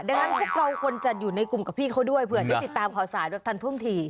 ดังนั้นพวกเราควรจะอยู่ในกลุ่มกับพี่เขาด้วยเผื่อได้ติดตามข่าวสารแบบทันท่วงที